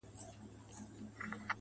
لاسو كې توري دي لاسو كي يې غمى نه دی,